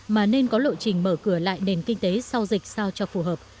mà nên có lộ trình mở cửa lại nền kinh tế sau dịch sao cho phù hợp